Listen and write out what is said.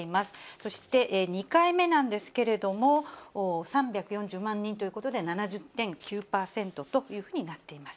そして２回目なんですけれども、３４０万人ということで、７０．９％というふうになっています。